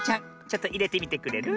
ちょっといれてみてくれる？